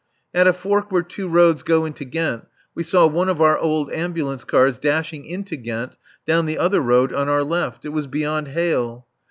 At a fork where two roads go into Ghent we saw one of our old ambulance cars dashing into Ghent down the other road on our left. It was beyond hail.